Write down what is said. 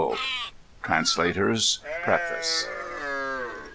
v '• TRANSLATOR'S PREFACE.